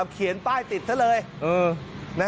เขียนป้ายประจานแบบนี้